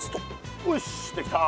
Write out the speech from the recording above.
よしできた！